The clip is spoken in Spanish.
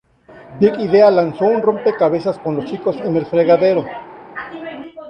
Big Idea lanzó un rompecabezas con Los Chicos en el Fregadero.